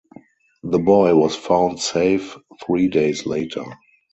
The boy was found safe three days later.